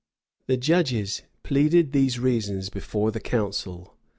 The judges pleaded these reasons before the council.